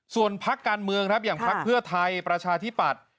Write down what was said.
ส่วนพักการเมืองครับอย่างพักเพื่อไทยประชาธิปัตย์